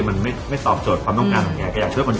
มันไม่ตอบโจทย์ความต้องการ